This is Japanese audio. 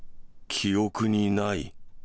記憶にない。